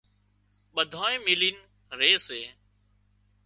ٻڌانئين ملين ري سي